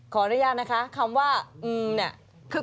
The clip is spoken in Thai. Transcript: ขออนุญาตนะคะคำว่าเนี่ย